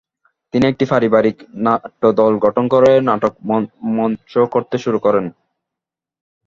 তিনি একটি পারিবারিক নাট্যদল গঠন করে নাটক মঞ্চস্থ করতে শুরু করেন।